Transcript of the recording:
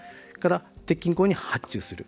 鉄筋工に発注する。